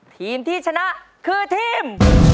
ทีมที่ชนะคือทีม